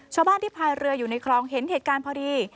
ชาวบ้านที่พายเรืออยู่ในคลองเห็นเหตุการณ์พอดี